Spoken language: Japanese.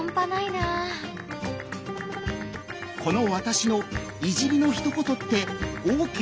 この「わたし」のいじりのひと言ってＯＫ？